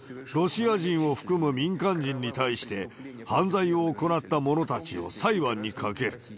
ロシア人を含む民間人に対して、犯罪を行った者たちを裁判にかける。